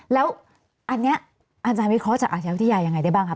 แล้วอันนี้อาจารย์วิเคราะห์จะอาธิบายวิทยาลอย่างไรได้บ้างครับ